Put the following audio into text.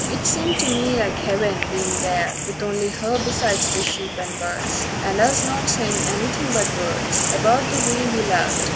It seemed to me like heaven, bein' there With only her besides the sheep and birds, And us not sayin' anything but words About the way we loved.